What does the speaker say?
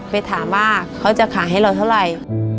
ไปถามว่าเขาจะขายให้เราเท่าไหร่